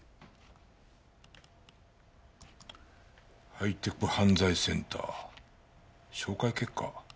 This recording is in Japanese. ハイテク犯罪センター照会結果？